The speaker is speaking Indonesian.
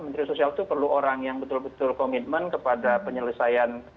menteri sosial itu perlu orang yang betul betul komitmen kepada penyelesaian